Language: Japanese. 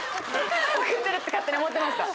送ってるって勝手に思ってました。